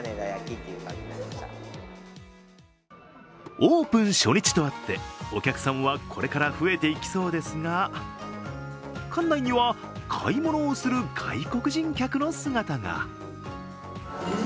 オープン初日とあって、お客さんはこれから増えていきそうですが館内には買い物をする外国人客の姿が。